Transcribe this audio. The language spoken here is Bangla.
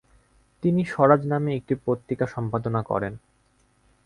তিনি স্বরাজ নামে একটি পত্রিকা সম্পাদনা করেন।